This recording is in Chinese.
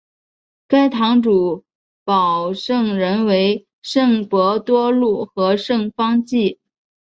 该堂主保圣人为圣伯多禄和圣方济。